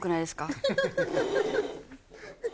ハハハハ！